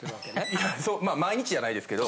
いや毎日じゃないですけど。